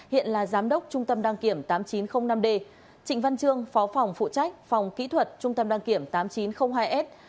hiện là giám đốc trung tâm đăng kiểm tám nghìn chín trăm linh năm d trịnh văn trương phó phòng phụ trách phòng kỹ thuật trung tâm đăng kiểm tám nghìn chín trăm linh hai s